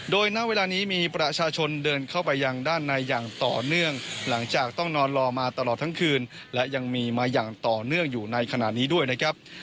โดยณเวลานี้มีประชาชนเดินเข้าไปยังด้านในอย่างต่อเนื่องหลังจากต้องนอนรอมาตลอดทั้งคืนและยังมีมาอย่างต่อเนื่องอยู่ในขณะนี้ด้วยนะครับ